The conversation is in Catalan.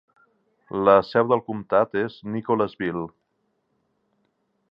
La seu del comtat és Nicholasville.